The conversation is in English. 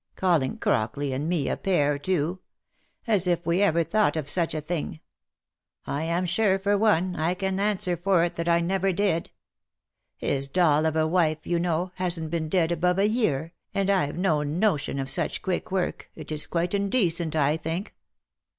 — Calling Crockley and me a pair too ! As if we ever thought of such a thing ! I am sure, for one, I can answer for it that I never did. — His doll of a wife, you know, hasn't been dead above a year, and I've no notion of such quick work, it is quite indecent, I think.